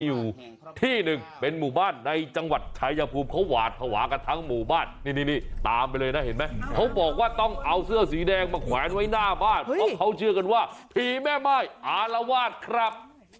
อยู่ที่หนึ่งเป็นหมู่บ้านในจังหวัดชายภูมิเขาหวาดภาวะกันทั้งหมู่บ้านนี่ตามไปเลยนะเห็นไหมเขาบอกว่าต้องเอาเสื้อสีแดงมาแขวนไว้หน้าบ้านเพราะเขาเชื่อกันว่าผีแม่ม่ายอารวาสครับ